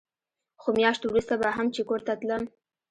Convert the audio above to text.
خو مياشت وروسته به هم چې کور ته تلم.